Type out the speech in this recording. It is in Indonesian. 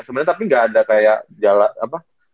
sebenernya tapi ga ada kayak jala apa